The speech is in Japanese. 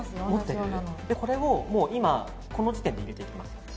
これを今この時点で入れていきます。